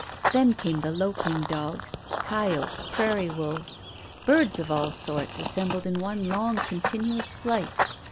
Then came the "loping" dogs, coyotes, prairie wolves. Birds of all sorts assembled in one long continuous flight.